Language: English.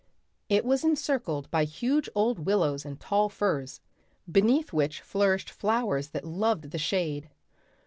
It was encircled by huge old willows and tall firs, beneath which flourished flowers that loved the shade.